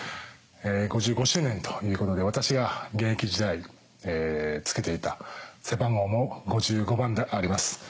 ５５周年ということで私が現役時代付けていた背番号も５５番であります。